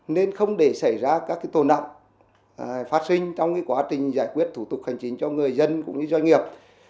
nên không để xảy ra các tồn động phát sinh trong quá trình giải quyết thủ tục hành chính cho người dân cũng như doanh nghiệp